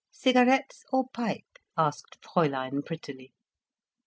—cigarettes or pipe?" asked Fräulein prettily.